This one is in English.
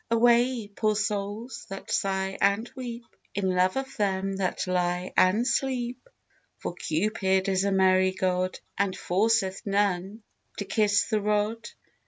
Away, poor souls, that sigh and weep, In love of them that lie and sleep! For Cupid is a merry god, And forceth none to kiss the rod.